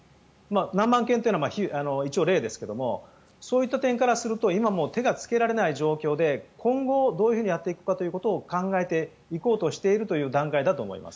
何万件というのは一応例ですがそういった点からすると今もう手がつけられない状況で今後、どういうふうにやっていくかを考えていこうとしている段階だと思います。